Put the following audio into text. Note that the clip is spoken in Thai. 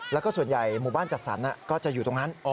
แล้วก็ส่วนใหญ่หมู่บ้านจัดสรรก็จะอยู่ตรงนั้น